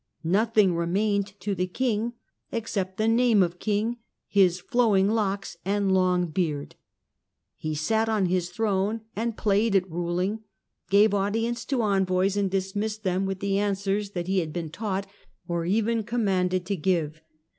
Nothing remained to the king except the name of king, his flowing locks and long beard. He sat on his throne and played at ruling, gave audience to envoys and dismissed them with the answers that he had been taught, or even commanded, to give.